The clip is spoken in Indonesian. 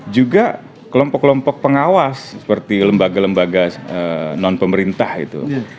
juga kelompok kelompok pengawas seperti lembaga lembaga non pemerintah itu